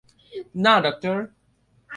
না, ডক্টর।